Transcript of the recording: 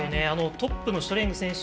トップのシュトレング選手